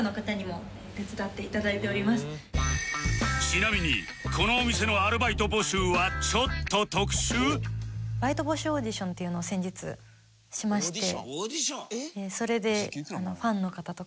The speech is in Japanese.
ちなみにこのお店のアルバイト募集はちょっと特殊！？っていうのを先日しまして。